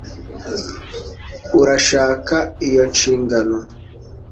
urashaka iyo nshingano